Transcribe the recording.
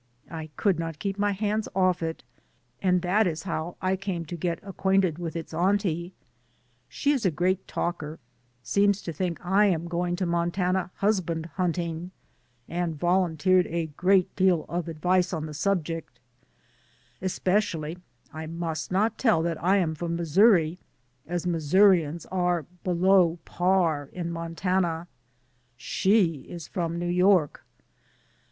I could not keep my hands off it, and that is how I came to get acquainted with its auntie. She is a great talker, seems to think I am going to Montana husband hunting, and volunteered a deal of advice on the sub ject, especially I must not tell that I am from Missouri, as Missourians are below par in Montana. She is from New York.